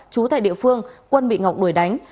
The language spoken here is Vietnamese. trú tại địa phương quân bị ngọc đuổi đánh